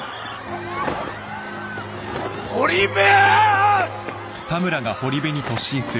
堀部！